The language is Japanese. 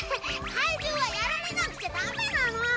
怪獣はやられなくちゃダメなの！